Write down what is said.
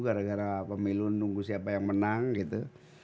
gara gara pemilu nunggu siapa yang menang gitu